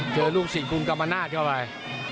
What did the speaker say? เจอลูกศิษย์คุมกรรมนาศเข้าไป